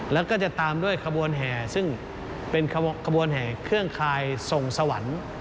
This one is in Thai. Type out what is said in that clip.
แล้วก็จะตามด้วยขบวนแห่ซึ่งเป็นขบวนแห่เครื่องคายส่งสวรรค์